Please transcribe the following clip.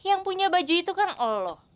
yang punya baju itu kan allah